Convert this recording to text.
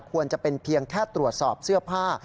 ควรจะเป็นเพียงแค่ตรวจสอบเสื้อผ้า